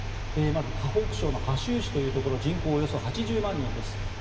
まず河北省の覇州市というところ人口はおよそ８０万人です。